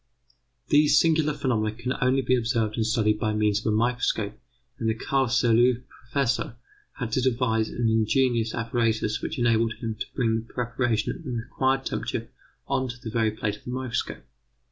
These singular phenomena can only be observed and studied by means of a microscope, and the Carlsruhe Professor had to devise an ingenious apparatus which enabled him to bring the preparation at the required temperature on to the very plate of the microscope.